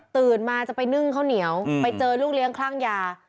ตื่นมาจะไปนึ่งข้าวเหนียวไปเจอลูกเลี้ยงคลั่งยา